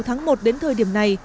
tháng một đến thời điểm này